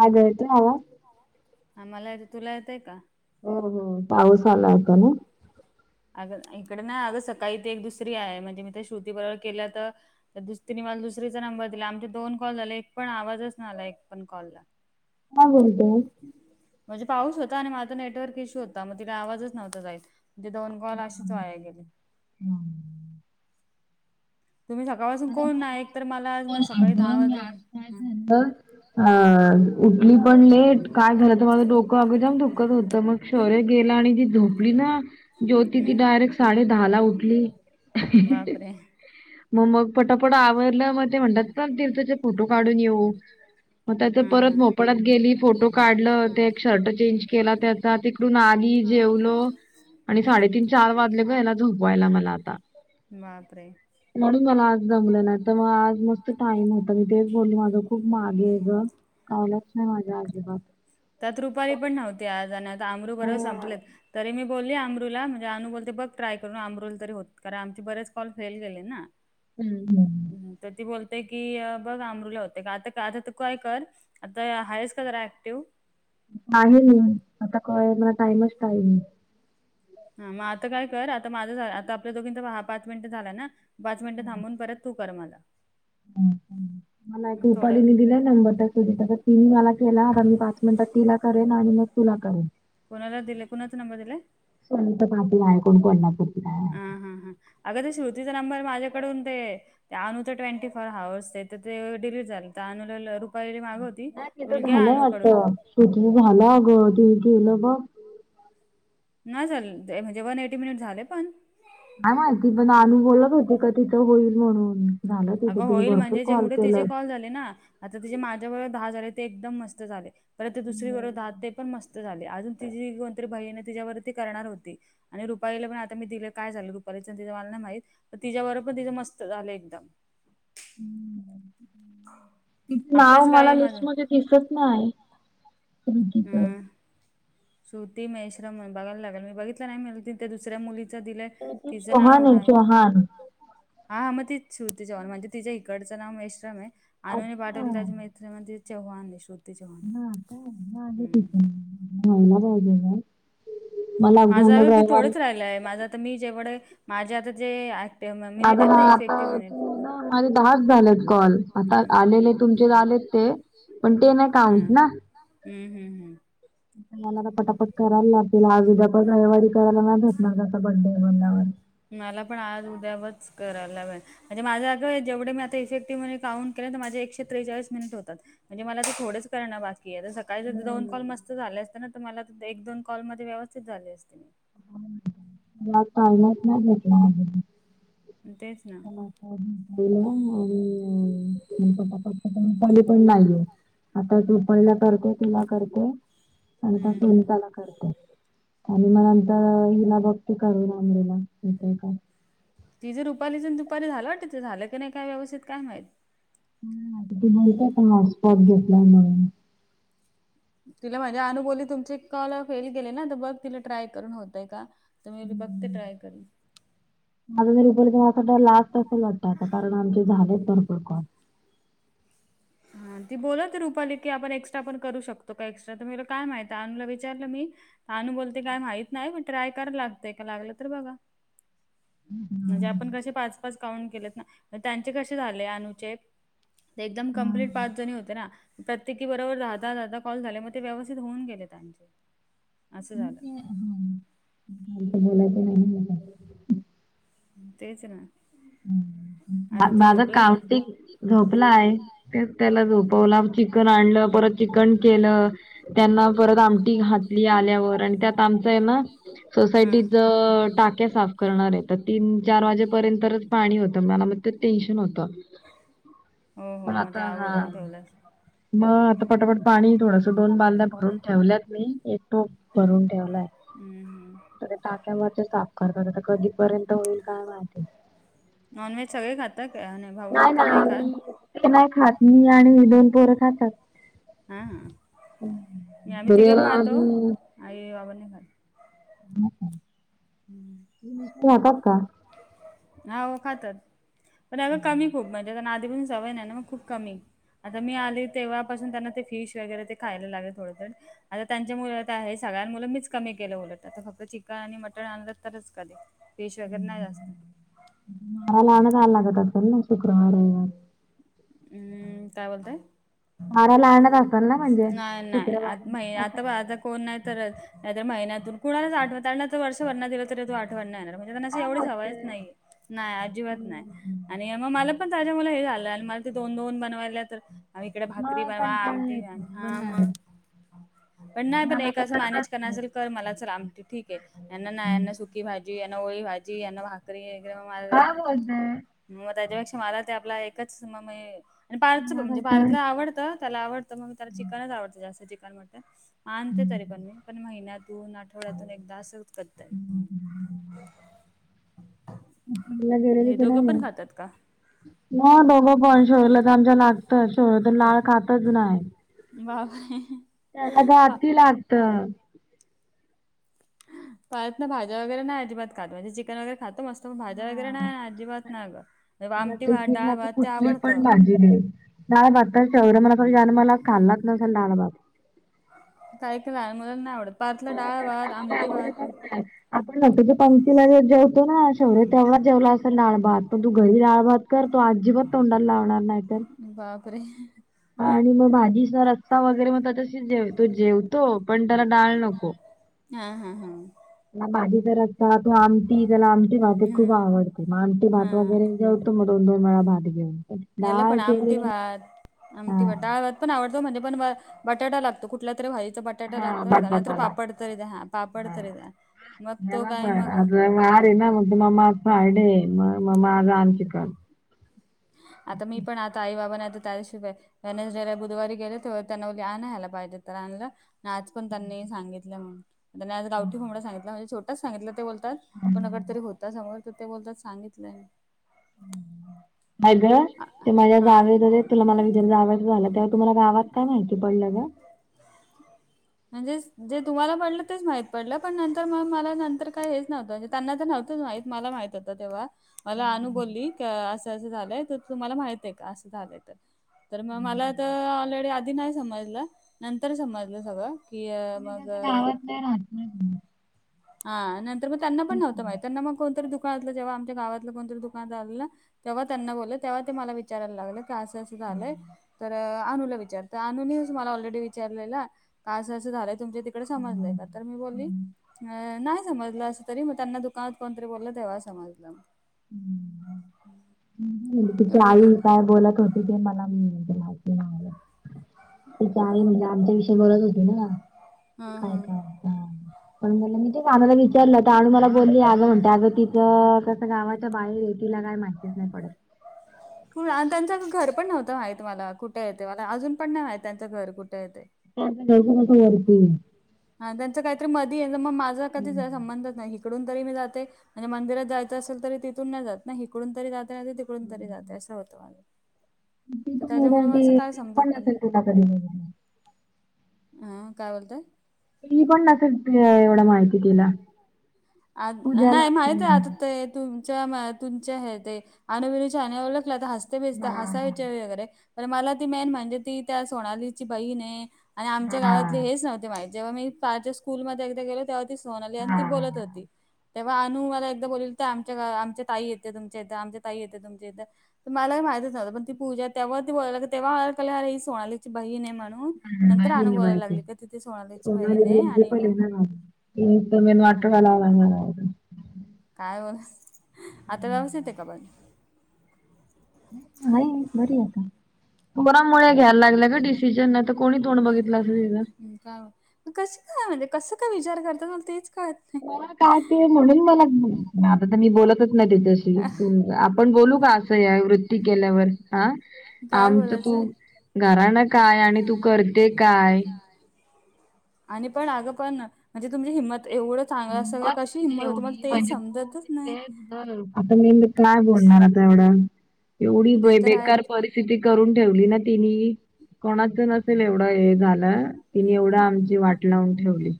माझा येतोय आवाज. हा, मला येतोय. तुला येतोय का? हो-हो, पाऊस आलाय का नाही? अगं, इकडे ना, अगं सकाळी ते एक दुसरी आहे. म्हणजे, मी त्या श्रुती बरोबर केल्या तर तर दुसरीने मला दुसरीचा नंबर दिला. आमचे दोन कॉल झाले, एक पण आवाजच नाही आला. एक पण कॉलला काय बोलते. म्हणजे, पाऊस होता आणि माझा नेटवर्क इश्यू होता. मग तिला आवाजच नव्हता जाईतं. म्हणजे, दोन कॉल अशीच वाया गेले. हम, तुम्ही सकाळपासून कोण नाहि एक तर मला आज ना सकाळी दहा अगं मी वाजलं आज पासून. काय झालं. अ उठली पण लेट काय झालं तर माझं डोकं अगदम दुकत होतं मग. शौर्य गेला आणि ती झोपली ना. ज्योती ती हम्म. डायरेक्ट साडे दहा ला उठली बापरे! मग मग. पटोपट आवरलं मग ते म्हणतात तीर्थचे फोटो काढून येऊ. मग त्याच परत हम्म. मोपळात गेली फोटो काढलं ते एक शर्ट चेंज केला त्याचा ते. कठून आली जेवलो आणि साडेतीन चार वाजले ग याला झोपवायला मला आता. बापरे. म्हणून मला आज. जमलं नाही तर मग आज मस्त टाइम होता मी तेच बोलली माझं खूप मागे आहे ग. कळालच नाही माझ्या अजिबात. त्यात रुपाली पण नव्हती आज आणि आता अमरू बरोब हो. संपलेत तरी मी. बोलली अमरुला म्हणजे अनू बोलते बघ ट्राय करून अमरुल तरी होत कारण आमचे बरेच कॉल फेल गेले ना. हम्म, बर. तर ती बोलतेय की बघ अमरुला होते का आता आता काय कर. आता हयस का जरा ऍक्टिव्ह. नाही आता कळ म टाइमच काही नाही. हा मग आता काय कर आता माझं झा आता आपल्या दोघींचा हा पाच मिनिटं झालं ना. पाच मिनटं थांबून परत तू कर मला. मला एक थोडं रुपालीने दिलाय नंबर त्यांच्या तिथं कर. ति म मला केला आता मी पाच मिनिटात तिला करेन आणि मग तुला करेन. कोणाला दिले कुणाचा नंबर दिला. सोनता पाटील आहे कोण कोल्हापूर आहे. अ हा हा, अगं ते श्रुतीचा नंबर माझ्याकडून ते. ते अनू तर ट्वेंटी फोर हवर्स तर ते डिलीट झालं तर अनुला. [unintelligible] पहिले मागं होती म्हणलं हे अनूकडून. तु तुझ झाल अग तिने केलं बघ. नाही झाल ते म्हणजे वन एटी मिनिट झाले पण काय माहिती पण अनु बोलत होती का तिथं होईल म्हणून. झालं अगं तिथं तिने होईल भरपूर म्हणजे कॉल जेवढे तिचेे केलं कॉल झाले ना. आता ते जे माझ्या बरोबर दहा झाले ते एकदम मस्त झाले परत ते दुसरी बरोबर दहा ते पण मस्त. झा अजून ति कोणतरी बईण तिच्यावरती करणार होती. आणि रुपालीला पण आता मी दिलं काय झालं रुपाली मला नाही माहित. तर तिच्याबरोबर पण तिचं मस्त झालं एकदम. तिच नाव आपलंच काय मला आहे माझं लिस्ट मध्ये दिसत नाही. श्रुतीचं. हम, अ सुती महेश्रम म्हण बघायला लागेल मी बघितला नाही मिल तिथ दुसऱ्या मुली ''--'' च दिलंय श्रुती तिच नाव चौहान आहे हाय. चौहान. हा मग तिचछू तिच्यावर म्हणजे तिच्या इकडचं नाव महेश्रम आहे आणूनी अच्छा पाठवलेलं हा त्या मा. मध्ये चौहान आहे श्रुती चौहान. का हा मागे कीती [unintelligible] व्हायला पाहिजे का माझं अ की, थोडंच राहिलं आहे माझं आता मी जेवढ माझे आता जे आहेत. मिनिट माझं ना आता इफेक्टिव्ह मिनिट [inaudible] माझे दहाच झालेत कॉल आता हम्म. आलेले तुमचे आलेत ते पण ते नाही काउंट ना. [unintelligible] हुं.. हुं.. हुं.. मला तर पटापट करायला लागतील आज उद्या रविवारी करायला नाही भेटणार आता बड्डे म्हटल्यावर मला पण आज उद्यावरच करायला मि म्हणजे माझं आता जेवढ मी आता इफेक्टिव्ह काउंट केले माझे एकशे त्रेचाळीस मिनिटं होतात म्हणजे मला ते थोडेंच करणं बाकी आहे, सकाळी जर दोन कॉल मस्त झाले असत ना, मला एक दोन कॉलमध्ये व्यवस्थ स्थित झाले असते. मला टाइमच नाही भेटणार तेच ना, [inaudible] आता तु पहिला करते तुला करते आणि त्या हम्म हम्म. सुनीता हम्म. ला क करते आणि मग नंतर हिला बघते करून अन्वीला येतंय का तिज रुपालीच दुपारी झालं वाटतं तर झालं काय नाही व्यवस्थित काय माहीत आता ती बोलतय का हॉटस्पॉट घेतलाय म्हणून तिला माझ्या अनुबोली तुमचे कॉल फेल गेले ना तर बघ तिला ट्राय करून होतय का तर मी म्हणले बघते ट्राय करू माझं नी रुपालीच मला तर वाटतंय लास्ट असेल वाटतं कारण आमचे झाले भरपूर कॉल्स हा ती बोलत रुपाली की, आपण एक्स्ट्रा पण करू शकतो का एक्स्ट्रा तर मला काय माहित आहे अनुला विचारलं मी अनू बोलते काय माहित नाही, पण ट्राय करा लागतंय का लागलं तर बघा. हा म्हणजे हा. आपण कसे पाच-पाच काउंट केलेत ना त्यांचे कसे झाले अनुचे ते एकदम, हा. कंप्लीट पाच जणी होते ना, प्रत्येकी बरोबर दहा-दहा, दहा-दहा कॉल झाले मग ते व्यवस्थित होऊन गेले त्यांचे असं झालं. ते- हा. फालतू नाही. मला. तेच ना, आता तो माझा झोपलाय का? काऊंटीग झोपला आहे, तेच त्याला झोपवला. चिकन आणलं, परत चिकन केलं, त्यांना परत आमटी घातली आल्यावर आणि त्या त आमचं आहे ना, सोसायटीत टाक्या साफ करणार येतात तर तीन चार वाजेपर्यंत पाणी होतं मला मग ते टेन्शन होत हो पण हो मग आता ते हा आवरून ठेवलंस मग आता पटापट पाणी थोडसं दोन बादल्या भरून ठेवल्यात मी एक टोप- भरून ठेवलाय. हम्म हम्म. टाक्या मग ते साफ करतात कधीपर्यंत होईल काय माहिती?,, नॉन व्हेज सगळे खाताय काय नाही? भाऊन नाही ना, तर खात मी नाही खात मी आणि ही दोन पोरं खातात. हा बरीला आणि आई-बाबा नाही खात. [unintelligible] [unintelligible] खातात का, अहो खातात पण अग कमी खूप म्हणजे त्यांना आधीपासून सवय नाही ना मग खूप कमी, आता मी आली तेव्हापासून त्यांना ते फिश वगैरे ते खायला लागले थोडं थं आता त्यांच्यामुळं आहे सगळ्यांमुळं मीच कमी केलं उलट आता फक्त चिकन आणि मट टण आणलं तरच कधी फीश वगैरे नाही जास्त. [inaudible] का लागता असलं ना शुक्रवार आहे.. हम्म.. काय बोलतय? मारायला आणत असाल ना म्हणजे नाही नाही आ आता आता कोण नाही तरच नाही महिन्यान कुणाला आठव वर्ष भरना दिलं तरी तो आठवण येणार एवढेच सवयच नाही नाही अजिबात नाही आणि मग मला पण त्याच्यामुळे हे झालं आणि मला ते दोन दोन बनवायल्या तर आणि इकडे भाकरी बनवा आमटी द्या पण नाही पण एकाचं मॅनेज करण्या असल कर मलाच आंटी चल ठीक आहे तर यांना सुट्टी - की भाजी ओळी भाजी यां भाकरी वगरे म मारला घणात मग त्याच्यापेक्षा मला ते आपला एकच स पार्च म्हणजे पार्ला आवडतं त्याला आवडत मग म त्याला चिकनच आवडत जास्त चिकन मटन आणते तरी पण मी पण महिन्या दोन आठवड्यातून एकदात करत मला हे दोघं पण खातात का? ना दोघं पण शोरला तर आमच्या लागत शोर तर लाळ खातच नाही बाई! ! त्याला गाठी लागत पाळत ना भाज वगैरे नाही अजिबात म्हणजे चिकन वगैरे खातो मस्त पण भाज्या वगैरे नाही ना अजिबात ना ग त्याला आमटी भात टिफिनला डाळ त भात ते कुठली पण आवडतं भाजी नाही डाळ भात शौर्य मला [inaudible] डाळ भात ऐक ना म्हणून नाय आवडत आणि मुलां नाही आवडत परतला डाळ भात आमटी भात आपण ना तुझ्या पंक्तीला जेवतो ना शौर्य तेवढाच जेवला असेल डाळ भात पण तू घरी डाळ भात करतो अजिबात तोंडाला लावणार नाही तो बापरे! आणि मग भाजीचा रस्ता वगैरे मग त्याच्याशी जेवतो जेवतो पण त्याला डाळभात नको हा हा हम... ला भाजी जर असता तू आमटी त्याला आमटी भाते खूप हम्म आवडते मग आमटी हा भात वगैरे तु तो दोन वेळा भात घेऊ याला पण आमटी भात आमटी हा बटा डाळ पण आवडतो म्हणज पण बटाटा लागतो कुठ तरी भाजीचा बटाट पटाटा हा लागतो नाही नाहीतर बटाटा लागतो पापड तरी द्या हा पापड तर द्या मग तो काय मग मग मरे ना मग त मम्मा आज फ्रायडे हम्म आहे मग मम्मा आज रान चिकन आता मी पण आता आई बाबाना आता त्याशिवाय त्यां ज्याला बुधवारी गेले तेव्हा त्यांनाली आणायला पाहिजे आणला आज पण त्यांनी सांगितलं म्ह त्यांनी आज गावठी कोंबडा सांगितलं म्हणजे छोटाच सांगितलं ते बोल कोणाकडे तरी होता समोर तर ते बोलतात सांगितलंय अग ते माझ्या हा जागेत तुला मला विजेर जावचं झाला तेव तुम्हाला गावात काय माहिती पडलं ग म्हणजे जे तुम्हाला म्हणलं तेच माहित पडलं पण नंतर म मला नंतर काही हेच नव्हतं. त्यांना तर नव्हतंच माहित मला माहित होतं तेव्हा मला अनु बोलली क असं असं झालंय तर तुम्हाला माहित आहे का असं झालंय तर तर मग मला तर ऑलरेडी आधी नाही समजलं नंतर समजलं सगळं की मग अ, गावात नाही राहत हा नंतर मग त्यांना पण नवतं माहित त्यांना मग कोणतरी दुकानातलं जेव्हा आमच्या गावातलं कोणतरी दुकानात आलं तेव्हा त्यांना बोलले तेव्हा ते मला विचारायला लागलं की असं असं झालंय. तर अनुला विचारते, अनुनीच मला ऑलरेडी विचारलेल का असं असं झालंय तुमच्या तिकडे समजलंय का तर मी बोलली अह नाय समजलं अस तरी मग त्यांना दुकानात कोणतरी बोललं तेव्हा समजलं म्हणजे तिची आई काय बोलत होती ते मला माहिती नाय मला. तिची आई अ, म्हणजे आमच्या विषयी बोलत होती ना हां, काय काय. हा [unintelligible] पण मला मी ते अनुला विचारलं तर अनु मला बोलली अगं म्हणते अगं तिथं कसं गावाच्या बाहेर तिला काय माहितीच नाही पडत. पण त्यांचं घर पण नव्हतं माहित मला कुठे आहे ते, मला अजून पण नाही माहित त्यांचं घर कुठे आहे ते. [unintelligible] हा त्यांच काहीतरी मधी आहे ना मग माझा कधी संबंध नाही. इकडून तरी मी जाते आणि मंदिरांत जायचं असेल तरी तिथून नाही जात ना इकडून तरी जाते नाहीतर तीक इकडून तरी जात असं होत माझ. ती तर पण त्याच्यामुळे एवढं मला ती असं काय तिने समजत पण नाही. [unintelligible] ह काय बोलते? ही पण नसेल एवढं माहिती तिला. आ पूजाला नाही माहित आहे हम्म, आता ते तू च्या अह तुमच्या हे ते अनु विनूच्या आईने ओळखला तर हसते बिसते हसायच्या मी वगैरे पण मला ती मेन म्हणजे ती त्या सोनालीची बहीण आहे आणि आमच्या हा गावात हेच नव्हते माहित, जेव्हा मी पार्थच्या स्कूलमध्ये एकदा गेलो तेव्हा ती सोनाली आणि ती बोलत होती तेव्हा अनु मला एकदा बोलली होती आमच्या आमच्या ताई येते तुमच्या इथं आमच्या ताई येते तुमच्या इथं तर मला हे माहितच नव्हतं पण ती पूजा आहे तेव्हा ती बोलायला लागली तेव्हा मला कळलं अरे ही सोनालीची बहीण आहे म्हणून अह नंतर अंबानी अनु नाही बोलायला बाळकी. लागली का ती सोनालाची सोनाली बहीण आहे आणि प्रिन्सिपल आहे मग ना [unintelligible] काय मग, आता व्यवस्थित आहे का पण? आहे बरी आहे. पोरांमुळे घ्यायला लागल ग डिसिजन नाहीतर कोणी तोंड बघितलं असत तिझं का कस काय म्हणजे कसं काय विचार करतात मला तेच काळत नाही. काय ते म्हणून मला [unintelligible] आता तर मी बोलत तच नाही तिचाशी आपण बोलू का असं या वृत्ती केल्यावर हा काय आमचं तू बोलायचंय? घराणं काय आणि तू करते काय? आणि पण अगं पण म्हणजे तुमची हिंमत एवढं चांगलं सगळ कशी हिंमत होत मला तेच समजतच नाही. हम्म आता मी काय बोलणार आता एवढं, एवढी ते तर बेकार आहेत परिस्थिती करून ठेवली ना तिनी कोणाच नसेल एवढं हे झालं तिने एवढं आमची वाट लावून ठेवली.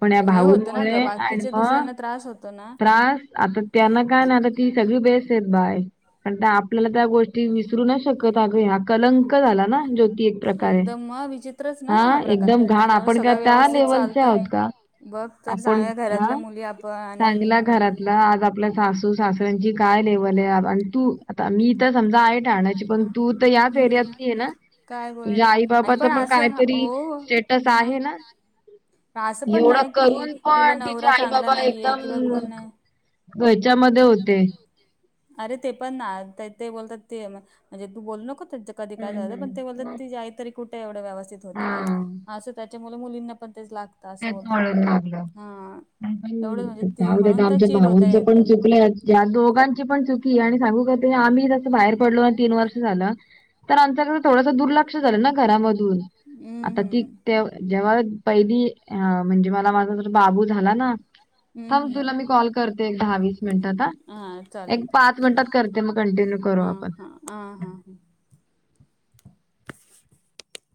पण या हे होतं ना ग भाऊंमुळे आणि बाकीचे मग दुसऱ्यांना त्रास होतो ना त्रास आता त्यांना काय नाही. आता ती सगळी बेस्ट आहेत बाय पण त्या आपल्याला त्या गोष्टी विसरू नाय शकत अग हा कलंक झाला ना ज्योती एक प्रकारे एकदम मग विचित्रच ना हा अह प्रकार एकदम घाण म्हणजे एवढं आपण का सगळं त्या व्यवस्थित लेवलचे चालत आहोत नाही. का. बघ तर आपण चांगल्या अह घरातल्या मुली आपण चांगला आणि घरातला आज आपल्या सासू सासऱ्याची काय लेवल आहे. आणि तू आता मी तर समजा आहे ठाण्या ची पण हा. तू तर याच हम्म एरियातली आहे ना. काय तुझ्या बोलत आई आणि पण बाबाचं असं हा काहीतरी हो स्टेटस आहे मग. ना असं पण नाही की तुला नवरा चांगला नाहीये किंवा कोण नाही. वच्यामध्ये होते. अरे ते पण ना ते बोलतात ते म्हणजे तू बोलू नको त्या कधी काय झा पण ते बोलतात तीजे आई तरी कुठे एवढं व्यवस्थित होती काय. हा असं त्याच्या मुल-मुलींना पण तेच लागत. त्याच वाळ लागलं एवढं म्हणजे आणखीन, ती चांगलं म्हणून त्या आमच्या चिल होत्या भाऊंचं पण च, एकदम [unintelligible] या दोघांची पण चुकी आहे आणि सांगू का आम्ही जसं बाहेर पडलो आणि तीन वर्ष झालं तर आमचा थोडंस दुर्लक्ष झालं ना घरामध्ये. हम्म आता ती हम्म. ते जेव्हा पहिली हा म्हणजे मला माझा जर बाबू झाला ना. हम्म थांब हम्म. तुला मी कॉल करते एक दहा-वीस मिनिटात आता. हा चालेल एक चालेल. पाच मिनिटात करते मग कंटिन्यू करू आपण. आ हां.